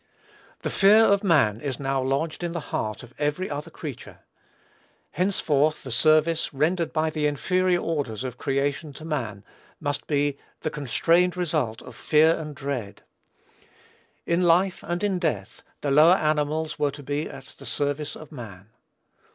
The fear of man is now lodged in the heart of every other creature. Henceforth the service, rendered by the inferior orders of creation to man, must be the constrained result of "fear and dread." In life, and in death, the lower animals were to be at the service of man.